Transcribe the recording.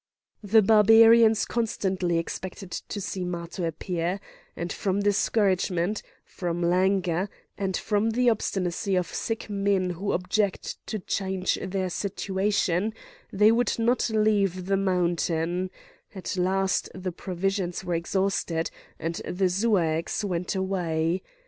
The Barbarians constantly expected to see Matho appear,—and from discouragement, from languor, and from the obstinacy of sick men who object to change their situation, they would not leave the mountain; at last the provisions were exhausted and the Zuaeces went away.